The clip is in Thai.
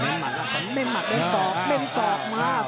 มันมัดแล้วมันมัดมันสอบมันสอบมา